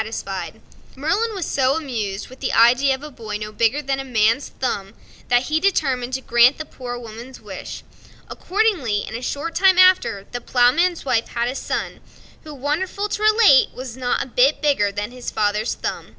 Merlin was so much amused with the idea of a boy no bigger than a man's thumb that he determined to grant the Poor Woman's wish. Accordingly, in a short time after, the Ploughman's wife had a son, who, wonderful to relate! was not a bit bigger than his father's thumb.